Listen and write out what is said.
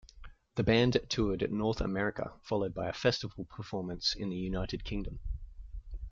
The band toured North America, followed by a festival performance in the United Kingdom.